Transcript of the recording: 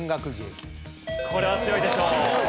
これは強いでしょう。